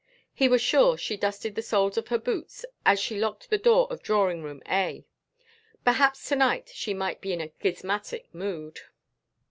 (He was sure she dusted the soles of her boots as she locked the door of drawing room A.) Perhaps to night she might be in a schismatic mood.